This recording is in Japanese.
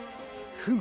フム。